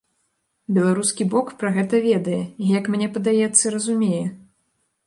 Беларускі бок пра гэта ведае і, як мне падаецца, разумее.